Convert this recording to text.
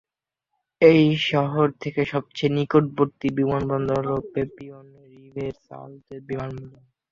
এই শহর থেকে সবচেয়ে নিকটবর্তী বিমানবন্দর হল পের্পিনিয়ঁ-রিভেসালতেস বিমানবন্দর।